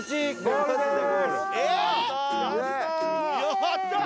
やったー！